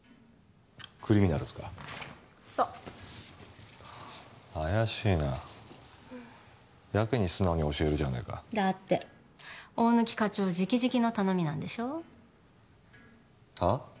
クリミナルズかそっ怪しいなやけに素直に教えるじゃねえかだって大貫課長直々の頼みなんでしょ？はあ？